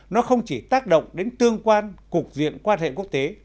nó không chỉ tác động đến tương quan cục diện quan hệ quốc tế